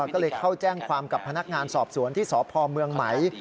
ก็เลยเข้าแจ้งความกับพนักงานสอบสวนที่สพเมืองไหม